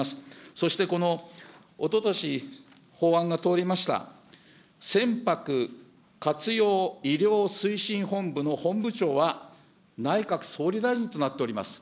そしてこのおととし、法案が通りました、船舶活用医療推進本部の本部長は内閣総理大臣となっております。